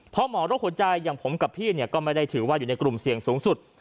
เพราะหมอโรคหัวใจอย่างผมกับพี่ก็ไม่ได้ถือว่าอยู่ในกลุ่มเสี่ยงสูงสุด